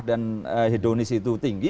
dan hedonis itu tinggi